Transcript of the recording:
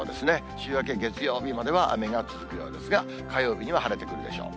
週明け月曜日までは雨が続くようですが、火曜日には晴れてくるでしょう。